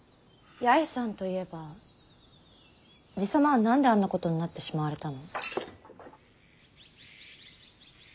八重さんといえば爺様は何であんなことになってしまわれたの？